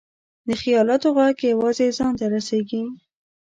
د خیالاتو ږغ یوازې ځان ته رسېږي.